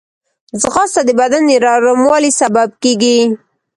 ځغاسته د بدن د نرموالي سبب کېږي